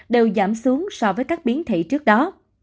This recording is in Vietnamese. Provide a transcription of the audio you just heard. đều giảm xuống so với các biến thị trước đó